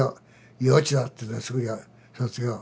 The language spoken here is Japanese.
幼稚だっていうんですぐ卒業。